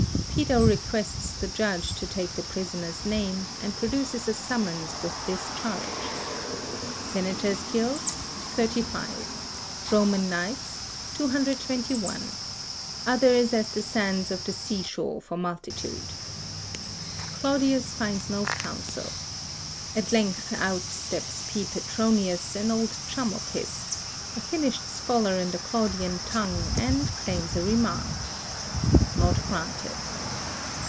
Pedo requests the judge to take the prisoner's name, and produces a summons with this charge: Senators killed, 35; Roman Knights, 221; others as the sands of the sea shore for multitude. [Sidenote: Il. ix, 385] Claudius finds no counsel. At length out steps P. Petronius, an old chum of his, a finished scholar in the Claudian tongue and claims a remand. Not granted.